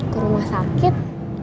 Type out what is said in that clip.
ke rumah sakit